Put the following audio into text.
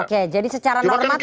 oke jadi secara normal